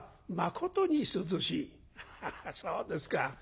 「ハハハそうですか。